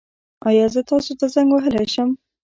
ایا زه تاسو ته زنګ وهلی شم؟